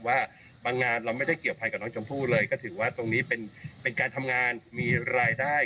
ว่าบางงานเราไม่ได้เกี่ยวภัยกับน้องชมพู่เลยก็ถือว่าตรงนี้เป็นการทำงานมีรายได้